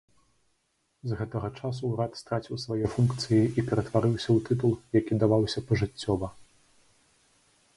З гэтага часу ўрад страціў свае функцыі і ператварыўся ў тытул, які даваўся пажыццёва.